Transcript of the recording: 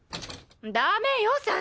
ダメよ幸！